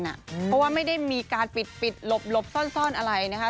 เพราะว่าไม่ได้มีการปิดหลบซ่อนอะไรนะคะ